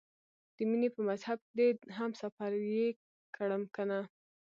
د مینې په مذهب دې هم سفر یې کړم کنه؟